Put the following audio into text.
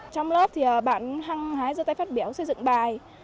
trong lớp thì bạn hăng hái dơ tay phát biểu xây dựng bài